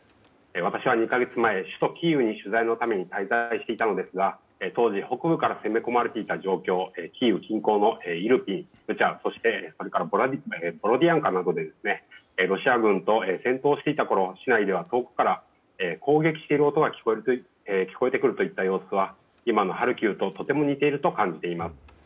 私は２か月前、首都キーウに取材のため滞在していたのですが当時、北部から攻め込まれていた状況キーウ近郊のイルピン、ブチャボロディアンカなどでロシア軍と戦闘をしていたころ市内では遠くから攻撃する音が聞こえてくるといった様子は今のハルキウととても似ていると感じています。